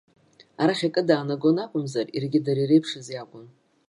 Арахь акы даанагон акәымзар, иаргьы дара иреиԥшыз иакәын.